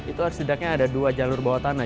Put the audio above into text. itu harus dideknya ada dua jalur bawah tanah